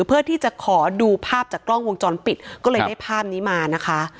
เพื่อที่จะขอดูภาพจากกล้องวงจรปิดก็เลยได้ภาพนี้มานะคะ